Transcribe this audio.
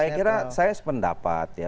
saya kira saya sependapat ya